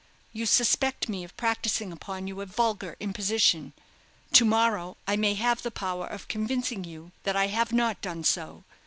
You suspect me of practising upon you a vulgar imposition. To morrow I may have the power of convincing you that I have not done so.